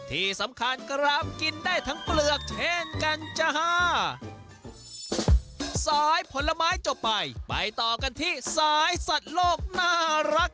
ที่สำคัญครับกินได้ทั้งเปลือกเช่นกันจ้าสายผลไม้จบไปไปต่อกันที่สายสัตว์โลกน่ารัก